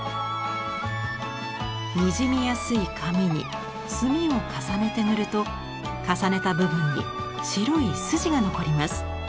にじみやすい紙に墨を重ねて塗ると重ねた部分に白い筋が残ります。